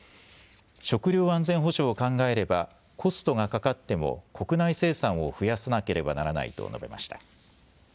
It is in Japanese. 食料安全保障を考えればコストがかかっても国内生産を増やさなければならないと述べました。